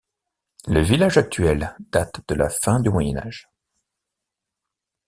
Le village actuel date de la fin du Moyen Âge.